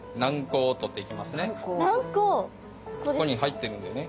ここに入ってるんでね。